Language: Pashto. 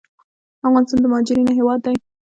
افغانستان د مهاجرینو هیواد دی